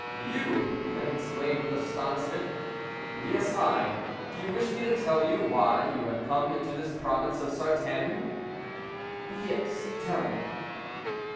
"You!" I exclaimed, with astonishment. "Yes, I. Do you wish me to tell you why you have come into this province of Sartène?" [See "Transcriber's Note."] "Yes, tell me."